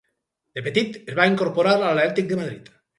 De petit es va incorporar a l'Atlètic de Madrid.